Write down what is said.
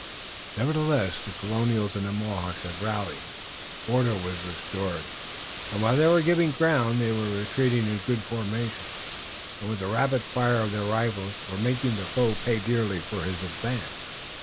Nevertheless, the Colonials and the Mohawks had rallied, order was restored, and while they were giving ground they were retreating in good formation, and with the rapid fire of their rifles were making the foe pay dearly for his advance.